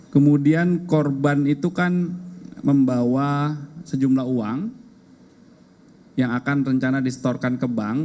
kemudian korban itu kan membawa sejumlah uang yang akan rencana distorkan ke bank